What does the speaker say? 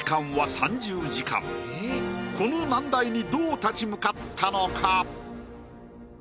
この難題にどう立ち向かったのか？